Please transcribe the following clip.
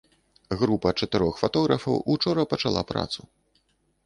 Група чатырох фатографаў учора пачала працу.